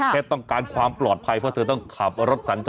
แค่ต้องการความปลอดภัยเพราะเธอต้องขับรถสัญจร